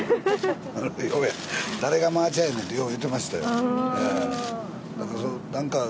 誰がまーちゃんやねん！ってよく言ってましたよ。